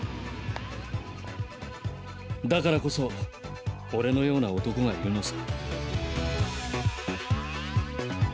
だからこそ俺のような男がいるのさ。